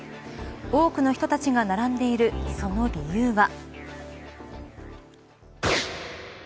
多くの人たちが並んでいるその理由は。